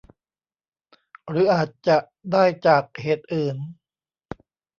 หรืออาจจะได้จากเหตุอื่น